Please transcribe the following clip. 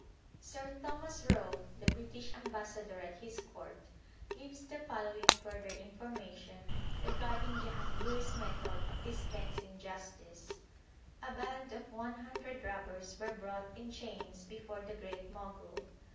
Sir Thomas Roe, the British Ambassador at his Court, gives the following further information regarding Jahangir s method of dispensing justice :* A band of one hundred robbers were brought in chains before the Great Mogul.